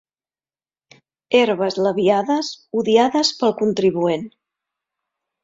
Herbes labiades odiades pel contribuent.